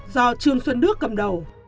do trương xuân đức cầm đầu